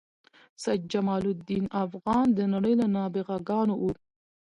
سید جمال الدین افغان د نړۍ له نابغه ګانو و.